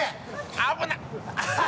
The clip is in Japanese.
危ない！